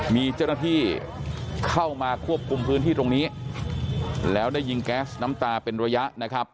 มีเจ้าหน้าที่เข้ามาควบคุมพื้นที่ตรงนี้แล้วได้ยิงแก๊สน้ำตาเป็นระยะนะครับ